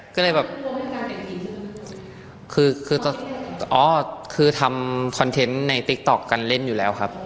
ก็เลยแบบคืออ๋อคือทำคอนเทนต์ในติ๊กต๊อกการเล่นอยู่แล้วครับ